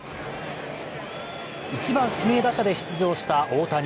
１番・指名打者で出場した大谷。